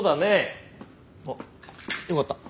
あっよかった。